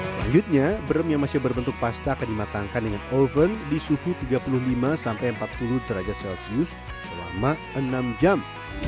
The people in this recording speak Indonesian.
selanjutnya brem yang masih berbentuk pasta akan dimatangkan dengan oven di suhu tiga puluh lima sampai empat puluh derajat celcius selama enam jam